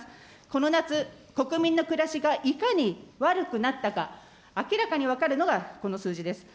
この夏、国民の暮らしがいかに悪くなったか、明らかに分かるのが、この数字です。